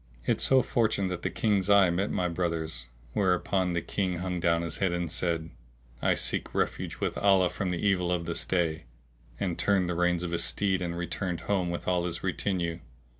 It so fortuned that the King's eye met my brother's; whereupon the King hung down his head and said, "I seek refuge with Allah from the evil of this day!";[FN#658] and turned the reins of his steed and returned home with all his retinue.